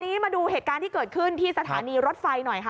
ทีนี้มาดูเหตุการณ์ที่เกิดขึ้นที่สถานีรถไฟหน่อยค่ะ